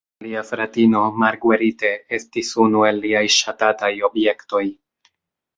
Lia fratino, Marguerite, estis unu el liaj ŝatataj objektoj.